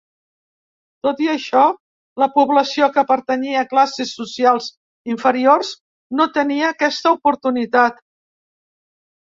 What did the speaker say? Tot i això, la població que pertanyia a classes socials inferiors no tenia aquesta oportunitat.